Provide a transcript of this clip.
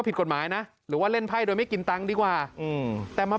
ผิดกฎหมายนะหรือว่าเล่นไพ่โดยไม่กินตังค์ดีกว่าอืมแต่มา